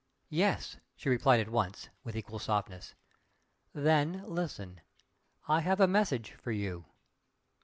"Yes," she replied at once, with equal softness. "Then, listen! I have a message for you!"